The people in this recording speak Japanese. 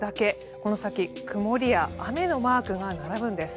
この先、曇りや雨のマークが並ぶんです。